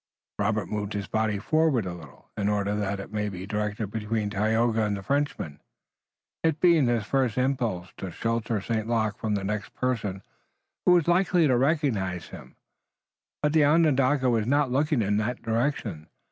Robert moved his body forward a little, in order that it might be directly between Tayoga and the Frenchman, it being his first impulse to shelter St. Luc from the next person who was likely to recognize him. But the Onondaga was not looking in that direction.